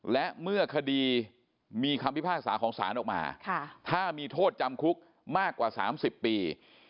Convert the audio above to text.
และเมื่อคดีมีคำพิพากษาของศาลออกมาถ้ามีโทษจำคุกมากกว่า๓๐ปี